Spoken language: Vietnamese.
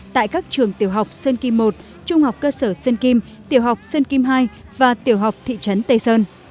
tại các trường tiểu học sơn kim i trung học cơ sở sơn kim tiểu học sơn kim hai và tiểu học thị trấn tây sơn